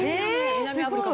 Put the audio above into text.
南アフリカ。